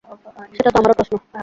সেটা তো আমারও প্রশ্ন।